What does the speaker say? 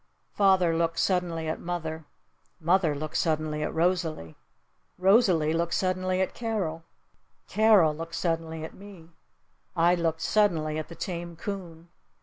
Father looked suddenly at mother. Mother looked suddenly at Rosalee. Rosalee looked suddenly at Carol. Carol looked suddenly at me. I looked suddenly at the tame coon.